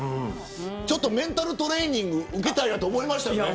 ちょっとメンタルトレーニング受けたいなと思いましたよね。